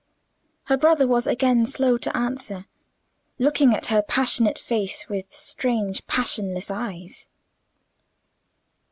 Her brother was again slow to answer; looking at her passionate face with strange passionless eyes.